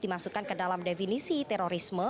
dimasukkan ke dalam definisi terorisme